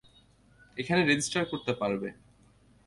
এখানে রেজিস্টার করতে পারবে।